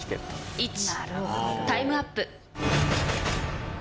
３・２・１タイムアップ